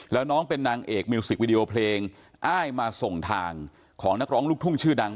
แล้วน้องเป็นนางเอกมิวสิกวิดีโอเพลงอ้ายมาส่งทางของนักร้องลูกทุ่งชื่อดัง